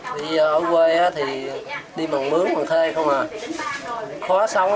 vì ở quê thì đi mằng mướn mằng thê không à khó sống lắm